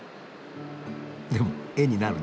でも絵になるな。